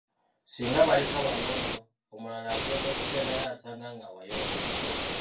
Singa baleka wayonjo, omulala agenda okugendayo asanga nga wayonjo.